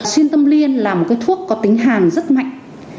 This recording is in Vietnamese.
xuyên tâm liên là một cái thuốc có tính hàn rất mạnh